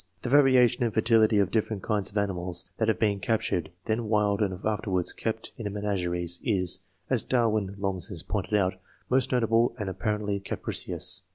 The variation in fertility of different kinds of animals that have been captured when wild and afterwards kept in menageries is, as Darwin long since pointed out, most notable and appar ently capricious.